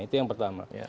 itu yang pertama